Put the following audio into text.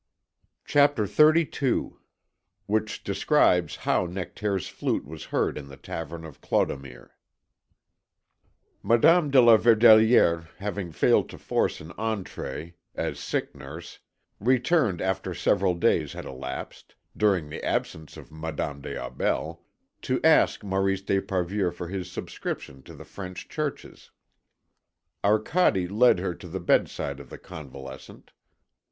CHAPTER XXXII WHICH DESCRIBES HOW NECTAIRE'S FLUTE WAS HEARD IN THE TAVERN OF CLODOMIR Madame de la Verdelière having failed to force an entrée as sick nurse, returned after several days had elapsed, during the absence of Madame des Aubels, to ask Maurice d'Esparvieu for his subscription to the French churches. Arcade led her to the bedside of the convalescent.